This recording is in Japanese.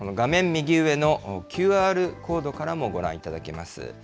右上のＱＲコードからもご覧いただけます。